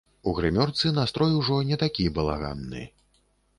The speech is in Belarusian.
У грымёрцы настрой ужо не такі балаганны.